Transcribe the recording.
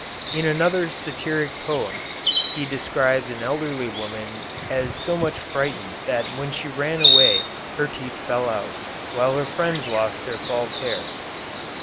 In another satiric poem he describes an elderly woman as so much frightened that when she ran away her teeth fell out, while her friends lost their false hair.